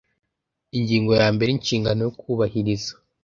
Ingingo ya mbere Inshingano yo kubahiriza